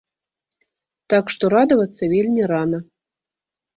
Так што радавацца вельмі рана.